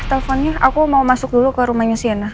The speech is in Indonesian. teleponnya aku mau masuk dulu ke rumahnya siana